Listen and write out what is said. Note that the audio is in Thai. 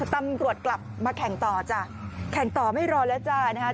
ตำรวจกลับมาแข่งต่อจ้ะแข่งต่อไม่รอแล้วจ้านะคะ